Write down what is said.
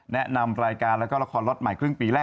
แนะนำรายการแล้วก็ละครล็อตใหม่ครึ่งปีแรก